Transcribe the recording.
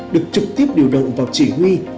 được trực tiếp điều động vào chỉ huy